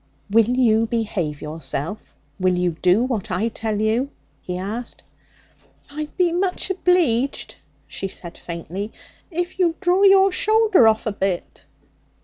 'Will you behave yourself? Will you do what I tell you?' he asked. 'I'd be much obleeged,' she said faintly, 'if you'd draw your shoulder off a bit.'